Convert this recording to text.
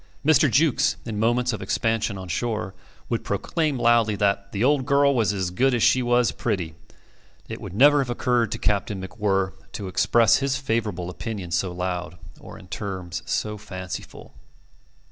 Mr. Jukes, in moments of expansion on shore, would proclaim loudly that the "old girl was as good as she was pretty." It would never have occurred to Captain MacWhirr to express his favourable opinion so loud or in terms so fanciful.